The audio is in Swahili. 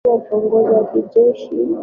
Alikuwa mwanasiasa na kiongozi wa kijeshi